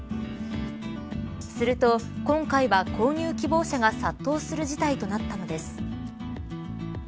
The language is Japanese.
すると今回は購入希望者が殺到する事態となったのです。